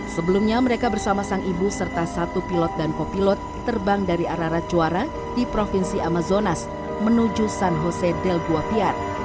sebelumnya mereka bersama sang ibu serta satu pilot dan kopilot terbang dari ararat juara di provinsi amazonas menuju san jose del guapiar